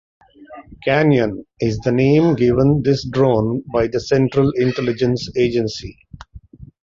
"Kanyon" is the name given this drone by the Central Intelligence Agency.